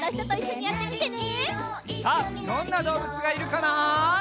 さあどんなどうぶつがいるかな？